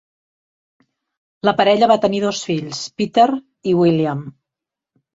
La parella va tenir dos fills, Peter i William.